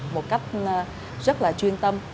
một cách rất là chuyên tâm